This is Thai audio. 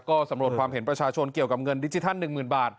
ก็สำรวจความเห็นประชาชนเกี่ยวกับเงินดิจิทัล๑๐๐๐บาท